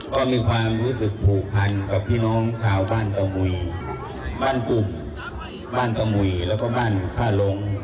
ก็มีความรู้สึกผูกพันกับพี่น้องชาวบ้านตะมุยบ้านกลุ่มบ้านตะหุยแล้วก็บ้านท่าลง